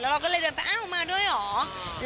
เราก็เลยเดินไปอ้าวมาด้วยเหรอ